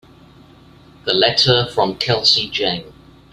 The letter from Kelsey Jane.